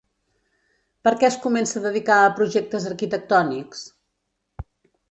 Per què es comença a dedicar a projectes arquitectònics?